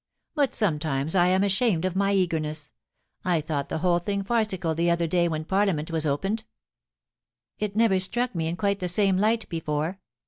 But sometimes I am ashamed of my eagerness ... I thought the whole thing farcical the other day when Parliament was opened It never struck me in quite the same light before.